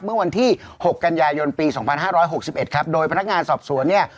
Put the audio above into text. เมื่อวันที่๖กันยายนปี๒๕๖๑ครับโดยพนักงานสอบสวนเนี่ย